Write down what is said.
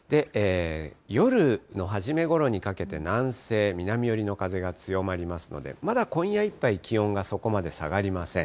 夜のはじめごろにかけて南西、南寄りの風が強まりますので、まだ今夜いっぱい、気温がそこまで下がりません。